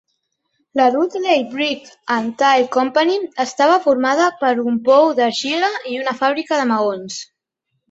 La Ludlay Brick and Tile Company estava formada per un pou d'argila i una fàbrica de maons.